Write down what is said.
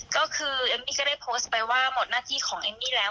ก็คือเอมมี่ก็ได้โพสต์ไปว่าหมดหน้าที่ของเอมมี่แล้ว